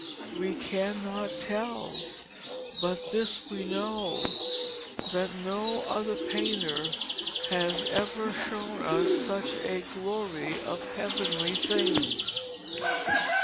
We cannot tell; but this we know, that no other painter has ever shown us such a glory of heavenly things.